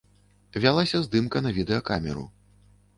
Вялася здымка на відэакамеру.